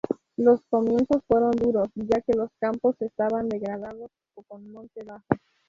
Los comienzos fueron duros, ya que los campos estaban degradados o con monte bajo.